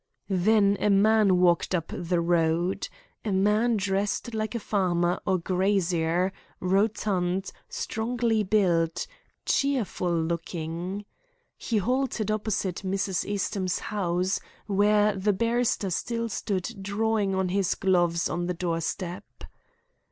Then a man walked up the road a man dressed like a farmer or grazier, rotund, strongly built, cheerful looking. He halted opposite Mrs. Eastham's house, where the barrister still stood drawing on his gloves on the doorstep.